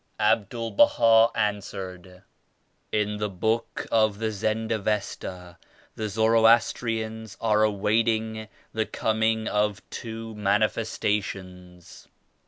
'* Abdul Baha answered — "In the Book of the Zend Avesta the Zoroastrians are awaiting the Coming of two Manifestations.